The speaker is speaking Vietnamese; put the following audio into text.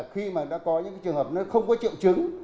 khi mà đã có những trường hợp nó không có triệu chứng